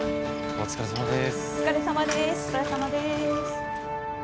お疲れさまでーす。